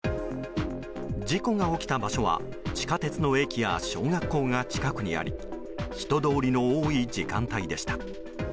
事故が起きた場所は地下鉄の駅や小学校が近くにあり人通りの多い時間帯でした。